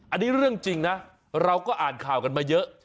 อันนี้เรื่องจริงนะเราก็อ่านข่าวกันมาเยอะ